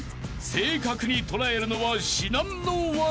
正確に捉えるのは至難の業］